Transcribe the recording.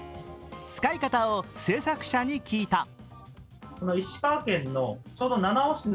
使い方を製作者に聞いた。